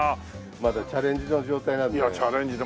まだチャレンジの状態なんで。